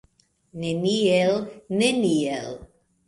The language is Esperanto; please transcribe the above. Neniel, neniel!